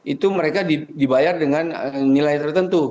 itu mereka dibayar dengan nilai tertentu